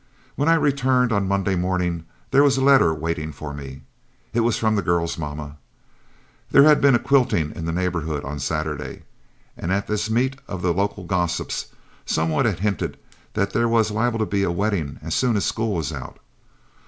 When I returned on Monday morning, there was a letter waiting for me. It was from the girl's mamma. There had been a quilting in the neighborhood on Saturday, and at this meet of the local gossips, some one had hinted that there was liable to be a wedding as soon as school was out.